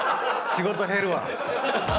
仕事減るわ。